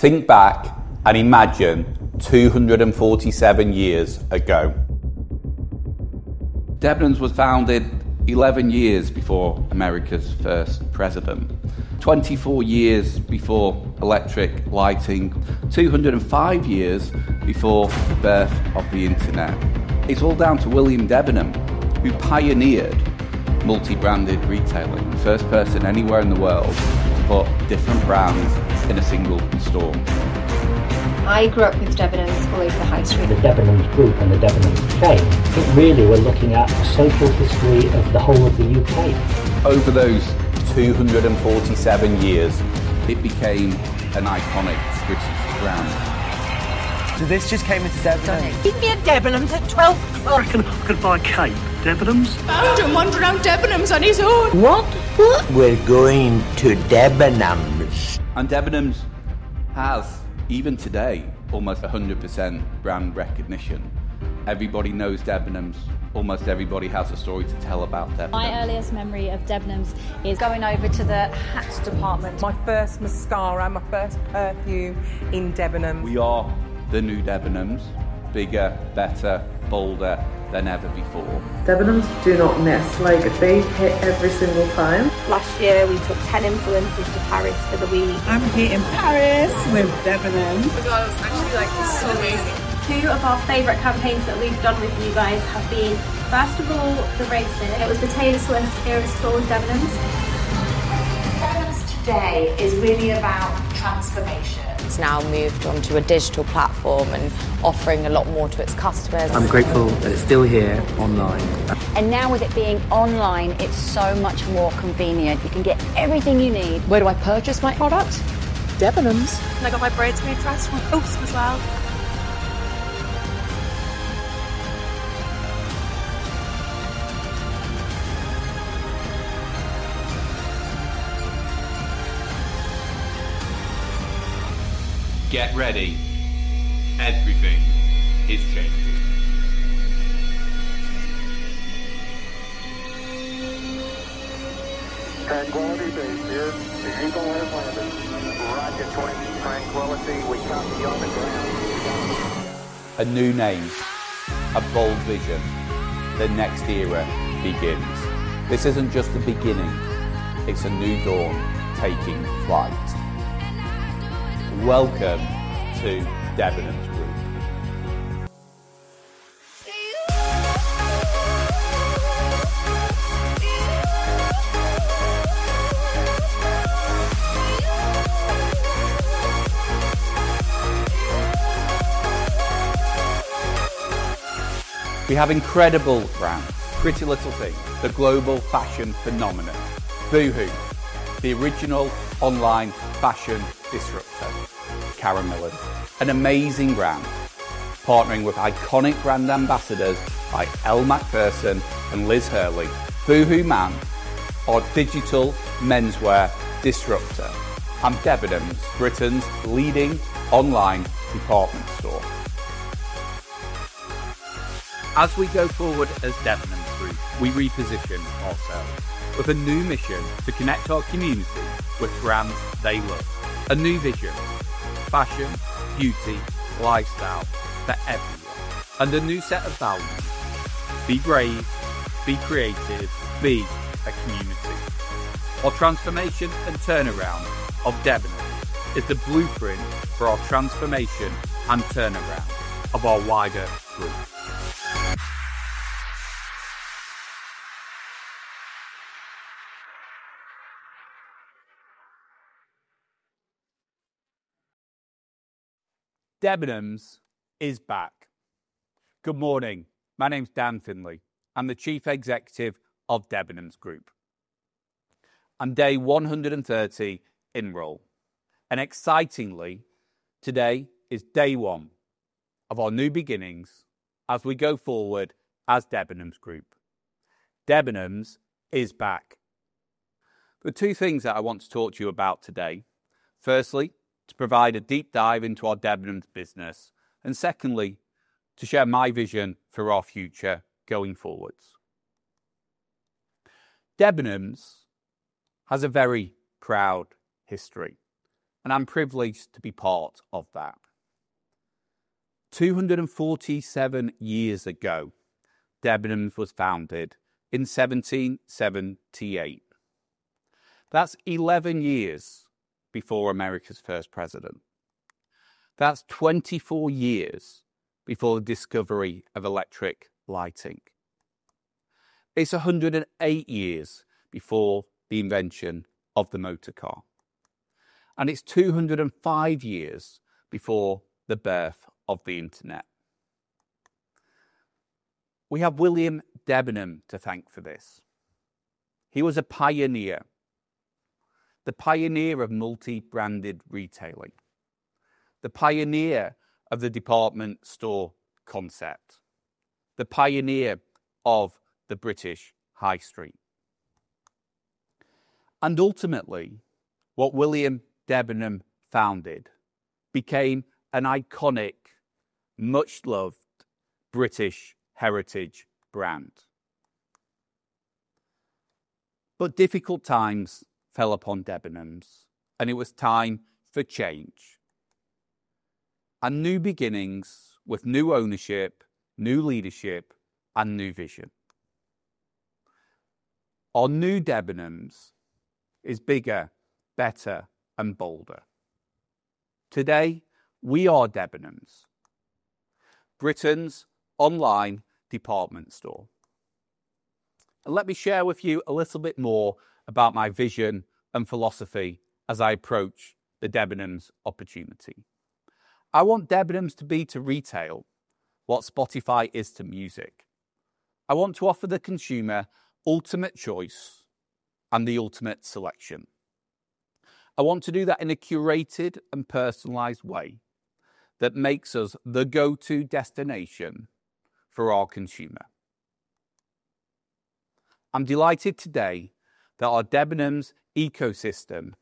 Think back and imagine 247 years ago. Debenhams was founded 11 years before America's first president, 24 years before electric lighting, 205 years before the birth of the internet. It's all down to William Debenham, who pioneered multi-branded retailing, the first person anywhere in the world to put different brands in a single store. I grew up with Debenhams all over the high street. The Debenhams Group and the Debenhams chain really were looking at the social history of the whole of the U.K. Over those 247 years, it became an iconic British brand. This just came into Debenhams? India Debenhams at 12:00 P.M. I can buy Debenhams. Found him wandering around Debenhams on his own. What? We're going to Debenhams. Debenhams has, even today, almost 100% brand recognition. Everybody knows Debenhams. Almost everybody has a story to tell about Debenhams. My earliest memory of Debenhams is going over to the hats department. My first mascara, my first perfume in Debenhams. We are the new Debenhams, bigger, better, bolder than ever before. Debenhams, do not miss. They hit every single time. Last year, we took 10 influencers to Paris for the week. I'm here in Paris with Debenhams. I was actually so amazed. Two of our favorite campaigns that we've done with you guys have been, first of all, the racing. It was the Taylor Swift Eras Tour with Debenhams. Debenhams today is really about transformation. It's now moved onto a digital platform and offering a lot more to its customers. I'm grateful that it's still here online. With it being online, it's so much more convenient. You can get everything you need. Where do I purchase my product? Debenhams. I got my braids made first. Oh, it's so swell. Get ready. Everything is changing. Tranquility Base is the Eagle has landed. Rocket 20 Tranquility, we got you on the ground. A new name, a bold vision. The next era begins. This isn't just the beginning. It's a new dawn taking flight. Welcome to Debenhams Group. We have incredible brands. PrettyLittleThing, the global fashion phenomenon. Boohoo, the original online fashion disruptor. Karen Millen, an amazing brand. Partnering with iconic brand ambassadors like Elle Macpherson and Liz Hurley. boohooMAN, our digital menswear disruptor. Debenhams, Britain's leading online department store. As we go forward as Debenhams Group, we reposition ourselves with a new mission to connect our community with brands they love. A new vision. Fashion, beauty, lifestyle for everyone. A new set of values. Be brave. Be creative. Be a community. Our transformation and turnaround of Debenhams is the blueprint for our transformation and turnaround of our wider group. Debenhams is back. Good morning. My name's Dan Finley. I'm the Chief Executive of Debenhams Group. Day 130 in role. Excitingly, today is day one of our new beginnings as we go forward as Debenhams Group. Debenhams is back. The two things that I want to talk to you about today, firstly, to provide a deep dive into our Debenhams business, and secondly, to share my vision for our future going forwards. Debenhams has a very proud history, and I'm privileged to be part of that. 247 years ago, Debenhams was founded in 1778. That's 11 years before America's first president. That's 24 years before the discovery of electric lighting. It's 108 years before the invention of the motor car. It's 205 years before the birth of the internet. We have William Debenham to thank for this. He was a pioneer. The pioneer of multi-branded retailing. The pioneer of the department store concept. The pioneer of the British high street. Ultimately, what William Debenham founded became an iconic, much-loved British heritage brand. Difficult times fell upon Debenhams, and it was time for change. New beginnings with new ownership, new leadership, and new vision. Our new Debenhams is bigger, better, and bolder. Today, we are Debenhams, Britain's online department store. Let me share with you a little bit more about my vision and philosophy as I approach the Debenhams opportunity. I want Debenhams to be to retail what Spotify is to music. I want to offer the consumer ultimate choice and the ultimate selection. I want to do that in a curated and personalised way that makes us the go-to destination for our consumer. I'm delighted today that our Debenhams ecosystem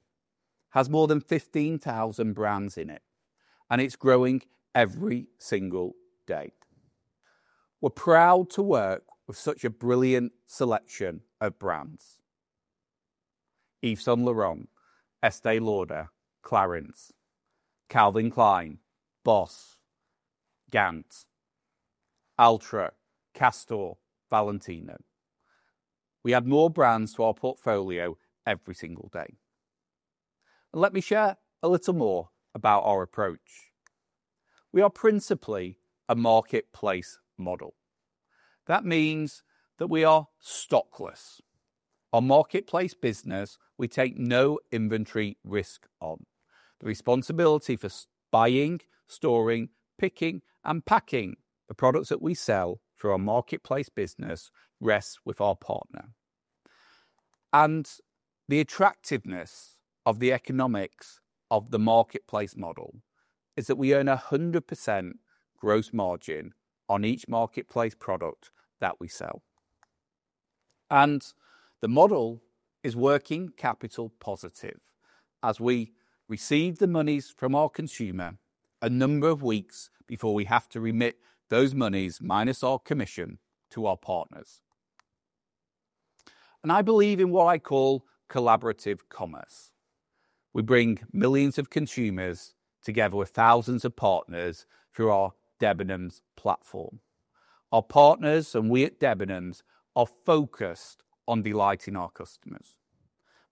has more than 15,000 brands in it, and it's growing every single day. We're proud to work with such a brilliant selection of brands. Yves Saint Laurent, Estée Lauder, Clarins, Calvin Klein, Hugo Boss, Gant, Altra, Castore, Valentino. We add more brands to our portfolio every single day. Let me share a little more about our approach. We are principally a marketplace model. That means that we are stockless. Our marketplace business, we take no inventory risk on. The responsibility for buying, storing, picking, and packing the products that we sell through our marketplace business rests with our partner. The attractiveness of the economics of the marketplace model is that we earn 100% gross margin on each marketplace product that we sell. The model is working capital positive as we receive the monies from our consumer a number of weeks before we have to remit those monies, minus our commission, to our partners. I believe in what I call collaborative commerce. We bring millions of consumers together with thousands of partners through our Debenhams platform. Our partners and we at Debenhams are focused on delighting our customers.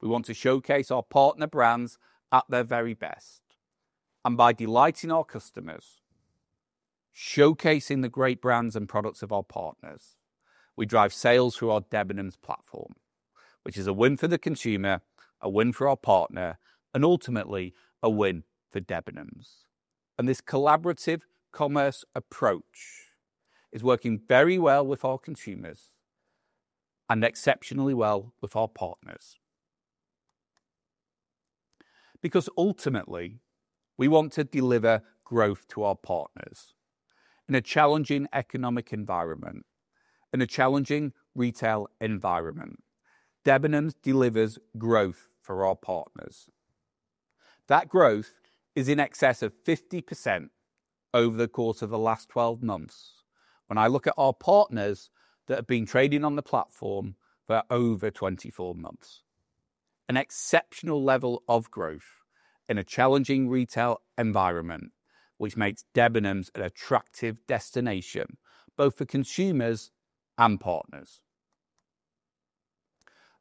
We want to showcase our partner brands at their very best. By delighting our customers, showcasing the great brands and products of our partners, we drive sales through our Debenhams platform, which is a win for the consumer, a win for our partner, and ultimately a win for Debenhams. This collaborative commerce approach is working very well with our consumers and exceptionally well with our partners. Ultimately, we want to deliver growth to our partners. In a challenging economic environment, in a challenging retail environment, Debenhams delivers growth for our partners. That growth is in excess of 50% over the course of the last 12 months when I look at our partners that have been trading on the platform for over 24 months. An exceptional level of growth in a challenging retail environment, which makes Debenhams an attractive destination both for consumers and partners.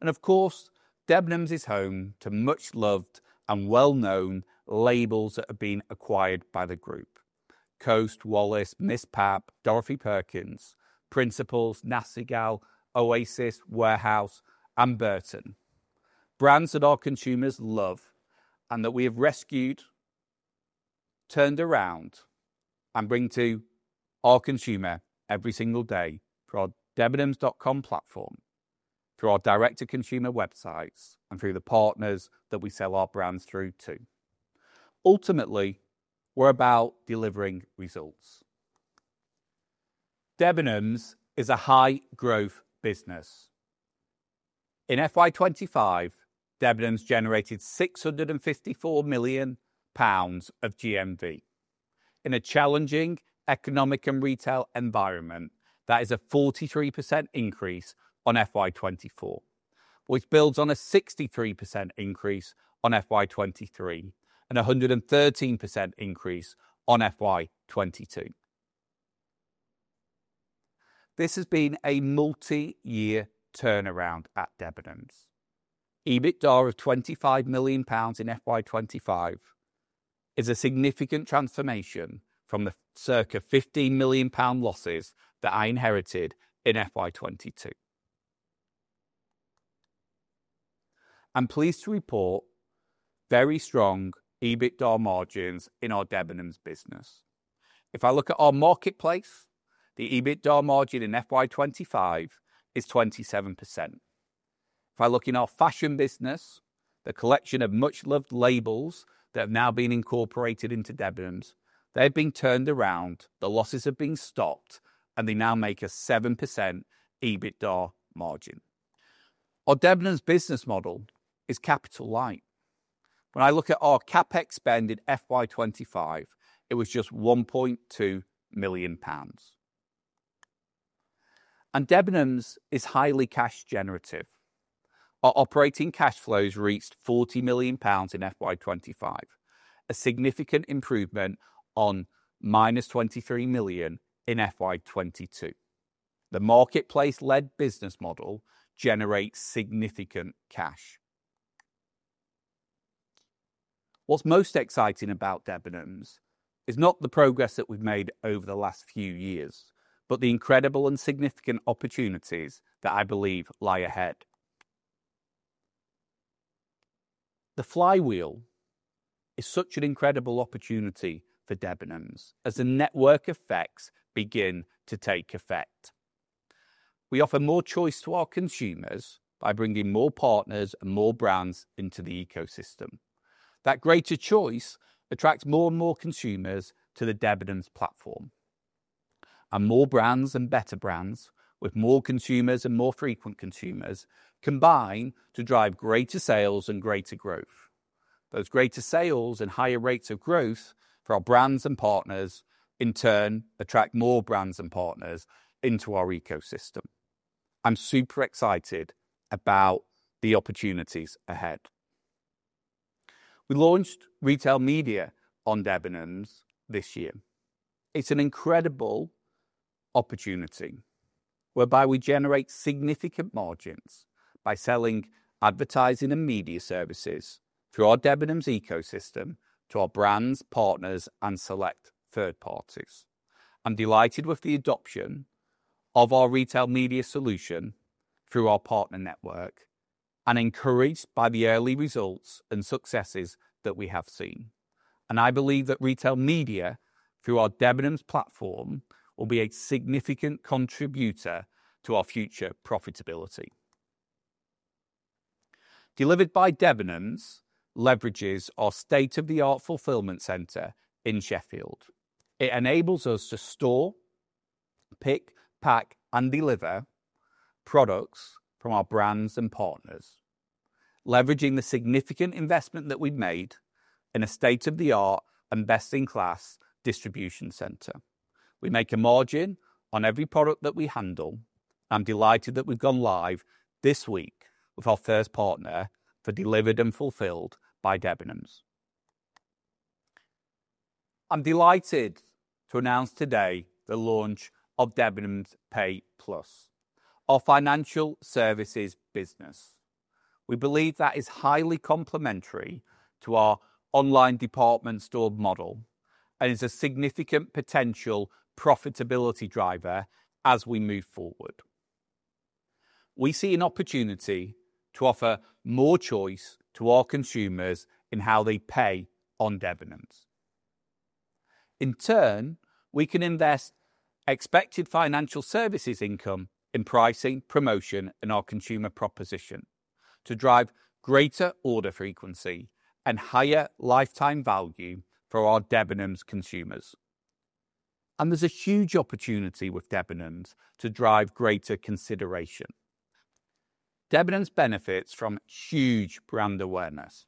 Of course, Debenhams is home to much-loved and well-known labels that have been acquired by the group: Coast, Wallis, Misspap, Dorothy Perkins, Principles, Nasty Gal, Oasis, Warehouse, and Burton. Brands that our consumers love and that we have rescued, turned around, and bring to our consumer every single day through our debenhams.com platform, through our direct-to-consumer websites, and through the partners that we sell our brands through too. Ultimately, we're about delivering results. Debenhams is a high-growth business. In FY 2025, Debenhams generated 654 million pounds of GMV in a challenging economic and retail environment. That is a 43% increase on FY 2024, which builds on a 63% increase on FY 2023 and a 113% increase on FY 2022. This has been a multi-year turnaround at Debenhams. EBITDA of 25 million pounds in FY 2025 is a significant transformation from the circa 15 million pound losses that I inherited in FY 2022. I'm pleased to report very strong EBITDA margins in our Debenhams business. If I look at our marketplace, the EBITDA margin in FY 2025 is 27%. If I look in our fashion business, the collection of much-loved labels that have now been incorporated into Debenhams, they have been turned around, the losses have been stopped, and they now make a 7% EBITDA margin. Our Debenhams business model is capital light. When I look at our Capex spend in FY 2025, it was just GBP 1.2 million. Debenhams is highly cash-generative. Our operating cash flows reached 40 million pounds in FY 2025, a significant improvement on minus 23 million in FY 2022. The marketplace-led business model generates significant cash. What is most exciting about Debenhams is not the progress that we have made over the last few years, but the incredible and significant opportunities that I believe lie ahead. The flywheel is such an incredible opportunity for Debenhams as the network effects begin to take effect. We offer more choice to our consumers by bringing more partners and more brands into the ecosystem. That greater choice attracts more and more consumers to the Debenhams platform. More brands and better brands with more consumers and more frequent consumers combine to drive greater sales and greater growth. Those greater sales and higher rates of growth for our brands and partners, in turn, attract more brands and partners into our ecosystem. I'm super excited about the opportunities ahead. We launched retail media on Debenhams this year. It's an incredible opportunity whereby we generate significant margins by selling advertising and media services through our Debenhams ecosystem to our brands, partners, and select third parties. I'm delighted with the adoption of our retail media solution through our partner network and encouraged by the early results and successes that we have seen. I believe that retail media through our Debenhams platform will be a significant contributor to our future profitability. Delivered by Debenhams leverages our state-of-the-art fulfillment center in Sheffield. It enables us to store, pick, pack, and deliver products from our brands and partners, leveraging the significant investment that we've made in a state-of-the-art and best-in-class distribution center. We make a margin on every product that we handle. I'm delighted that we've gone live this week with our first partner for Delivered and Fulfilled by Debenhams. I'm delighted to announce today the launch of Debenhams PayPlus, our financial services business. We believe that is highly complementary to our online department store model and is a significant potential profitability driver as we move forward. We see an opportunity to offer more choice to our consumers in how they pay on Debenhams. In turn, we can invest expected financial services income in pricing, promotion, and our consumer proposition to drive greater order frequency and higher lifetime value for our Debenhams consumers. There is a huge opportunity with Debenhams to drive greater consideration. Debenhams benefits from huge brand awareness.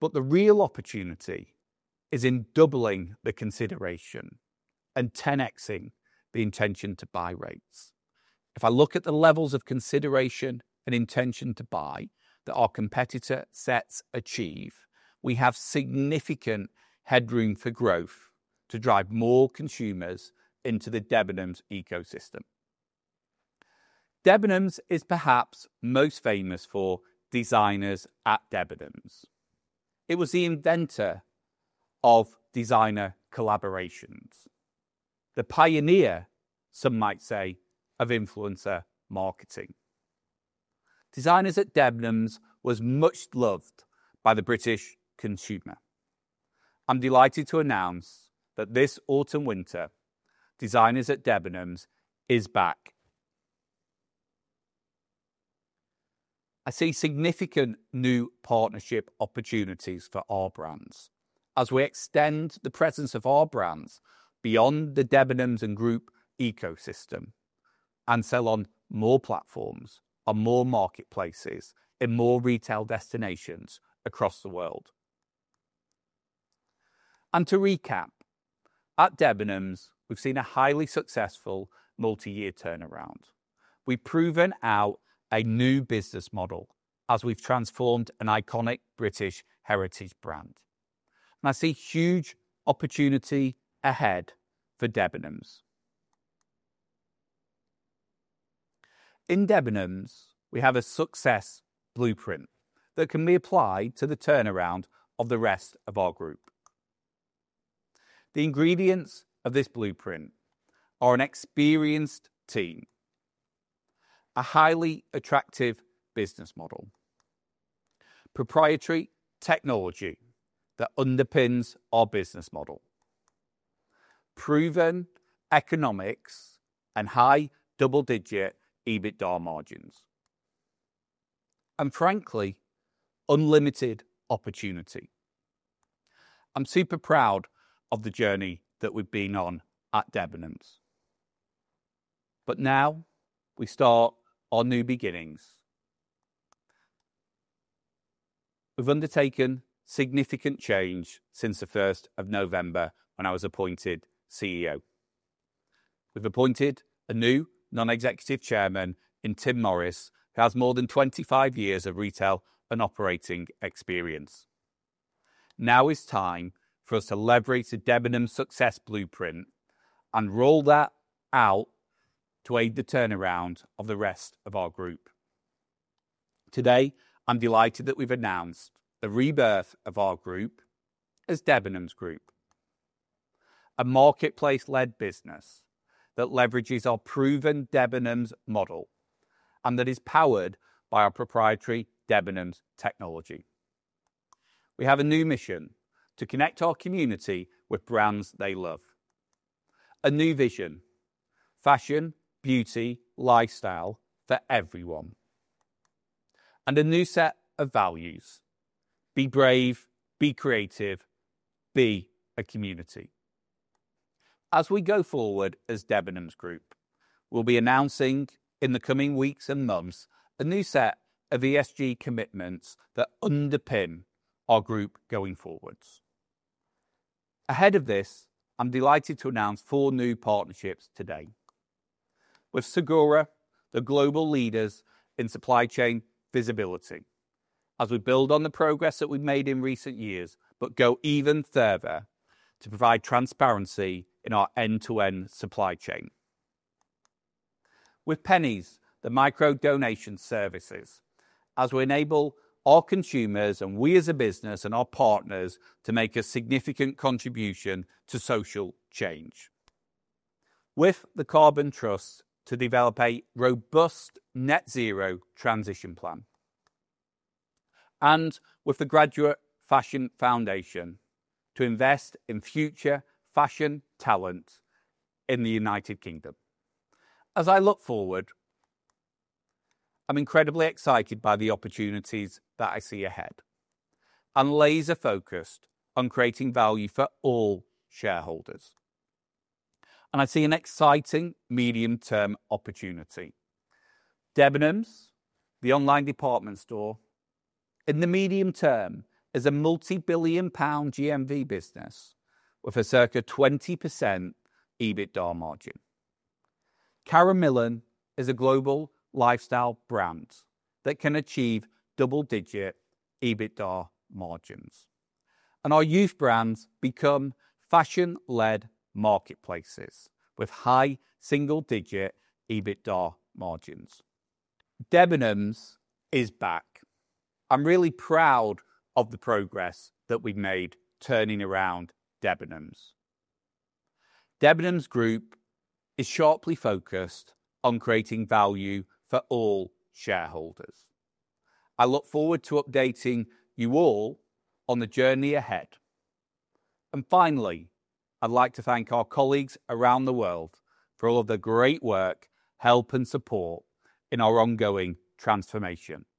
The real opportunity is in doubling the consideration and 10xing the intention to buy rates. If I look at the levels of consideration and intention to buy that our competitor sets achieve, we have significant headroom for growth to drive more consumers into the Debenhams ecosystem. Debenhams is perhaps most famous for Designers at Debenhams. It was the inventor of designer collaborations, the pioneer, some might say, of influencer marketing. Designers at Debenhams was much loved by the British consumer. I'm delighted to announce that this autumn-winter, Designers at Debenhams is back. I see significant new partnership opportunities for our brands as we extend the presence of our brands beyond the Debenhams and group ecosystem and sell on more platforms, on more marketplaces, in more retail destinations across the world. To recap, at Debenhams, we've seen a highly successful multi-year turnaround. We've proven out a new business model as we've transformed an iconic British heritage brand. I see huge opportunity ahead for Debenhams. In Debenhams, we have a success blueprint that can be applied to the turnaround of the rest of our group. The ingredients of this blueprint are an experienced team, a highly attractive business model, proprietary technology that underpins our business model, proven economics, and high double-digit EBITDA margins, and frankly, unlimited opportunity. I'm super proud of the journey that we've been on at Debenhams. Now we start our new beginnings. We've undertaken significant change since the 1st of November when I was appointed CEO. We've appointed a new non-executive chairman in Tim Morris, who has more than 25 years of retail and operating experience. Now it's time for us to leverage the Debenhams success blueprint and roll that out to aid the turnaround of the rest of our group. Today, I'm delighted that we've announced the rebirth of our group as Debenhams Group, a marketplace-led business that leverages our proven Debenhams model and that is powered by our proprietary Debenhams technology. We have a new mission to connect our community with brands they love. A new vision: fashion, beauty, lifestyle for everyone. A new set of values: be brave, be creative, be a community. As we go forward as Debenhams Group, we'll be announcing in the coming weeks and months a new set of ESG commitments that underpin our group going forwards. Ahead of this, I'm delighted to announce four new partnerships today with Segura, the global leaders in supply chain visibility, as we build on the progress that we've made in recent years, but go even further to provide transparency in our end-to-end supply chain. With Pennies, the micro-donation services, as we enable our consumers and we as a business and our partners to make a significant contribution to social change. With the Carbon Trust to develop a robust net-zero transition plan. With the Graduate Fashion Foundation to invest in future fashion talent in the United Kingdom. As I look forward, I'm incredibly excited by the opportunities that I see ahead and laser-focused on creating value for all shareholders. I see an exciting medium-term opportunity. Debenhams, the online department store, in the medium term is a multi-billion-pound GMV business with a circa 20% EBITDA margin. Karen Millen is a global lifestyle brand that can achieve double-digit EBITDA margins. Our youth brands become fashion-led marketplaces with high single-digit EBITDA margins. Debenhams is back. I'm really proud of the progress that we've made turning around Debenhams. Boohoo Group is sharply focused on creating value for all shareholders. I look forward to updating you all on the journey ahead. Finally, I'd like to thank our colleagues around the world for all of the great work, help, and support in our ongoing transformation.